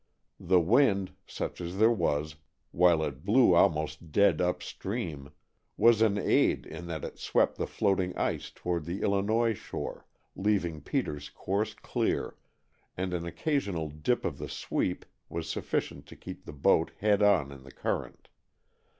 The wind, such as there was, while it blew almost dead upstream, was an aid in that it swept the floating ice toward the Illinois shore, leaving Peter's course clear, and an occasional dip of the sweep was sufficient to keep the boat head on in the current.